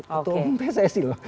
ketua umum pssi loh